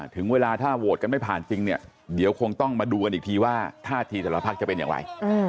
ถึงเวลาถ้าโหวตกันไม่ผ่านจริงเนี่ยเดี๋ยวคงต้องมาดูกันอีกทีว่าท่าทีแต่ละพักจะเป็นอย่างไร